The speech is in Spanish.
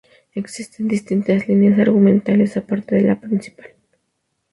Existen distintas líneas argumentales aparte de la principal.